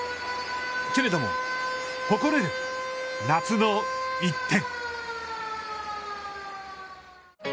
けれども、誇れる夏の１点。